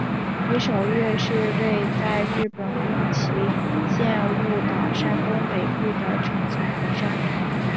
夷守岳是位在日本宫崎县雾岛山东北部的成层火山。